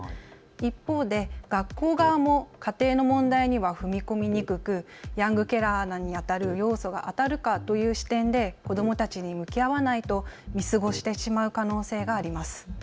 一方で学校側も家庭の問題には踏み込みにくくヤングケアラーにあたる要素があるかどうかという視点で子どもたちに向き合わないと見過ごしてしまう可能性があります。